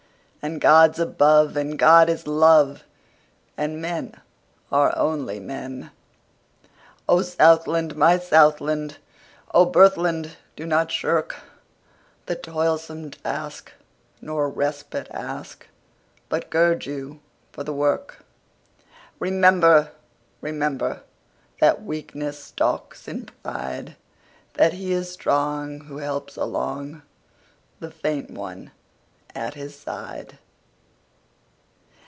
And God's above, and God is love, And men are only men.O Southland! my Southland!O birthland! do not shirkThe toilsome task, nor respite ask, But gird you for the work. Remember, rememberThat weakness stalks in pride; That he is strong who helps alongThe faint one at his side.